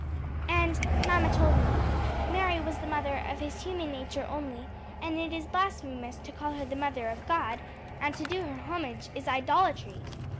"And mamma told me Mary was the mother of his human nature only, and it is blasphemous to call her the mother of God; and to do her homage is idolatry."